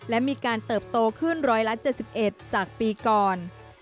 และมีการเติบโตขึ้น๑๗๑จากปีก่อน